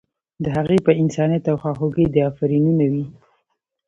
د هغې په انسانیت او خواخوږۍ دې افرینونه وي.